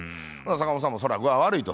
坂本さんもそれは具合悪いと。